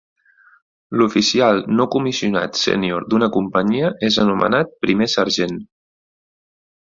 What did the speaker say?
L'oficial no comissionat sènior d'una companyia és anomenat primer sergent.